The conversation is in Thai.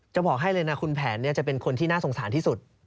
บอกให้เลยนะคุณแผนจะเป็นคนที่น่าสงสารที่สุด